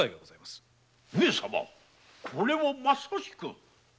上様これはまさしく。